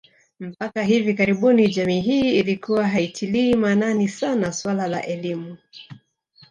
Mpaka hivi karibuni jamii hii ilikuwa haitilii maanani sana suala la elimu